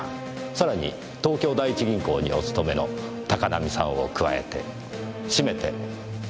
さらに東京第一銀行にお勤めの高浪さんを加えてしめて１８人。